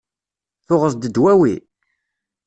Tuɣeḍ-d dwawi?